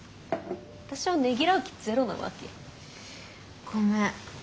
私をねぎらう気ゼロなわけ？ごめん。